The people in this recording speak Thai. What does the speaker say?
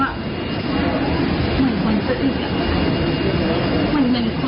เหมือนคนซึ้งอีกมันเป็นคน